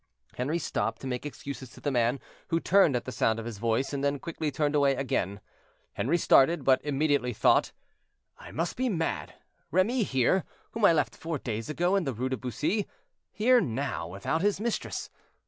Henri stopped to make excuses to the man, who turned at the sound of his voice, and then quickly turned away again. Henri started, but immediately thought, "I must be mad; Remy here, whom I left four days ago in the Rue de Bussy; here now, without his mistress.